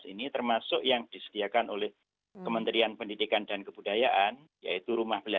ini bahwa bisa melaksanakan pemberdayaan aksi dan kemudinaan profesi dan penyelsid sampai dari tempat tempat